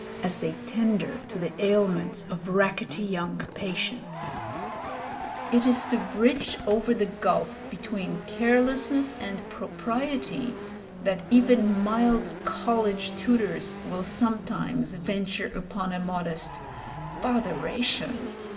as they tender to the ailments of rackety young patients. It is to bridge over the gulf between carelessness and propriety that even mild college tutors will sometimes venture upon a modest "botheration!"